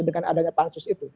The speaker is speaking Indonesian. dengan adanya pansus itu